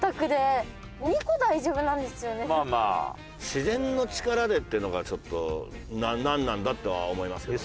自然の力でっていうのがちょっとなんなんだとは思いますけどね。